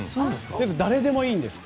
誰でもいいんですって。